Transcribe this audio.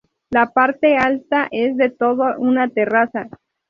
La parte alta es todo una terraza.